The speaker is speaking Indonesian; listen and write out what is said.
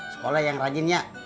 sekolah yang rajin ya